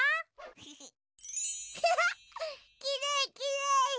きれいきれい。